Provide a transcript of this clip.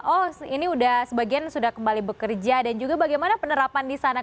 oh ini sudah sebagian sudah kembali bekerja dan juga bagaimana penerapan di sana